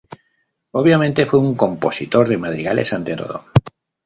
Obviamente, fue un compositor de madrigales ante todo.